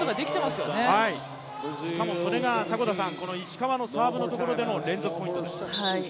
しかもそれがこの石川のサーブのところでの連続ポイントです。